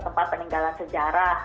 tempat peninggalan sejarah